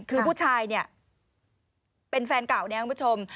คือผู้ชายเนี่ยเป็นแฟนเก่าเนี่ยคุณผู้ชม